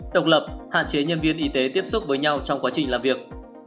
độc lập hạn chế nhân viên y tế tiếp xúc với nhau trong quá trình làm việc